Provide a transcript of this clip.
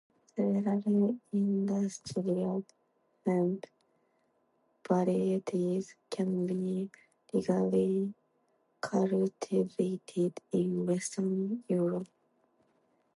Several industrial hemp varieties can be legally cultivated in western Europe.